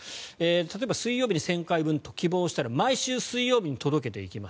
例えば水曜日に１０００回分と希望したら毎週水曜日に届けていきます。